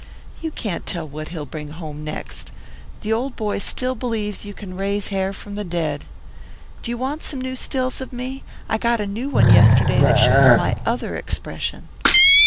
You can't tell what he'll bring home next. The old boy still believes you can raise hair from the dead. Do you want some new stills of me? I got a new one yesterday that shows my other expression.